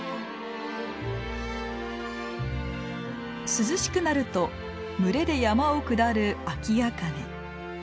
涼しくなると群れで山を下るアキアカネ。